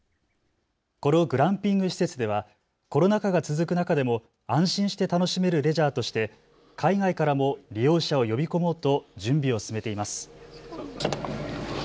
このグランピング施設ではコロナ禍が続く中でも安心して楽しめるレジャーとして海外からも利用者を呼び込もうと準備を進めています。